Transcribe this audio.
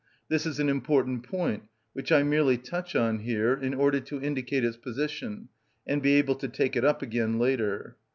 This is an important point, which I merely touch on here in order to indicate its position, and be able to take it up again later.